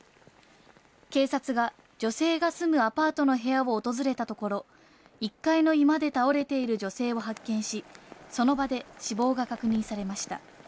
警察が女性が住むアパートの部屋を訪れたところ、１階の居間で倒れている女性を発見し、その場で死亡が確認されました。